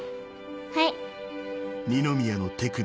はい。